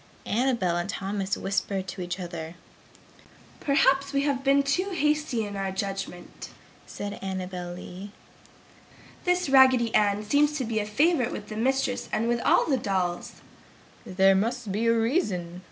Annabel and Thomas whispered together, "Perhaps we have been too hasty in our judgment!" said Annabel Lee. "This Raggedy Ann seems to be a favorite with the mistress and with all the dolls!" "There must be a reason!"